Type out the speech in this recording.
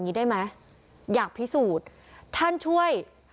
เป็นพระรูปนี้เหมือนเคี้ยวเหมือนกำลังทำปากขมิบท่องกระถาอะไรสักอย่าง